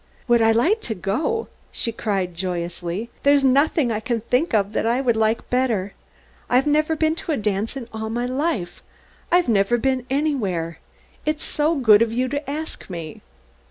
"Would I like to go?" she cried joyously. "There's nothing I can think of that I would like better. I've never been to a dance in all my life. I've never been anywhere. It's so good of you to ask me!"